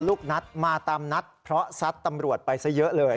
ลูกนัดมาตามนัดเพราะซัดตำรวจไปซะเยอะเลย